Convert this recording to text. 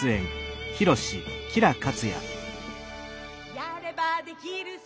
「やればできるさ